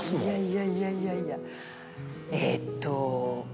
いやいやいやいやえっと。